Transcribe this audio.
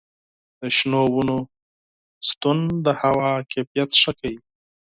د شنو ونو شتون د هوا کیفیت ښه کوي.